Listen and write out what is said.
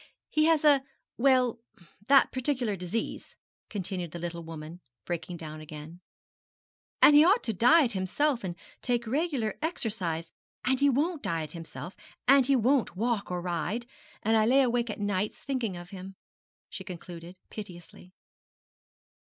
'He has a well, that particular disease,' continued the little woman, breaking down again, 'and he ought to diet himself and take regular exercise; and he won't diet himself, and he won't walk or ride; and I lay awake at nights thinking of it,' she concluded, piteously.